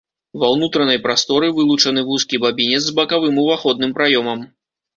Ва ўнутранай прасторы вылучаны вузкі бабінец з бакавым уваходным праёмам.